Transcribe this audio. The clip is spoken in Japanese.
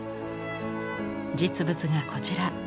実物がこちら。